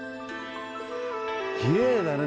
きれいだね。